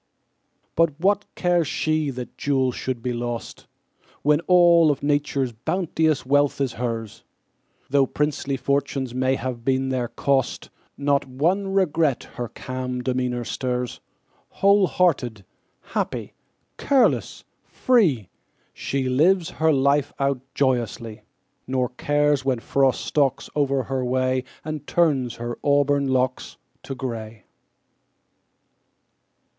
But what cares she that jewels should be lost, When all of Nature's bounteous wealth is hers? Though princely fortunes may have been their cost, Not one regret her calm demeanor stirs. Whole hearted, happy, careless, free, She lives her life out joyously, Nor cares when Frost stalks o'er her way And turns her auburn locks to gray.